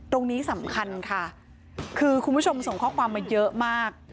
ตรงนี้สำคัญค่ะคือคุณผู้ชมส่งข้อความมาเยอะมาก